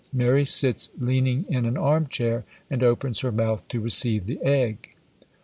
Mary sits leaning in an arm chair, and opens her mouth to receive the egg.